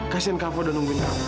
kasian kak fadil udah nungguin kamu